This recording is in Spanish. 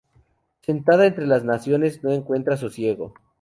Sentada entre las naciones, no encuentra sosiego.